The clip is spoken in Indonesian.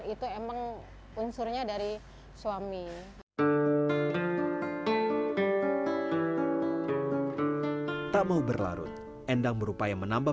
itu emang unsurnya dari suami tak mau berlarut endang berupaya menambah